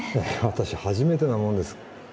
私初めてなものです